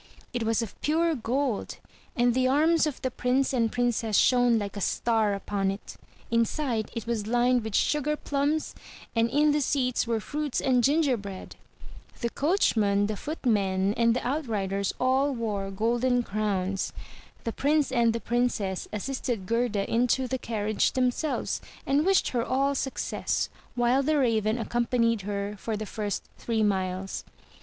It was of 314 THROUGH FAIRY HALLS pure gold, and the arms of the Prince and Princess shone like a star upon it; inside, it was hned with sugar plums and in the seats were fruits and gingerbread. The coachman, the foot men, and the outriders all wore golden crowns. The Prince and the Princess assisted Gerda into the carriage themselves, and wished her all success, while the Raven accompanied her for the first three miles.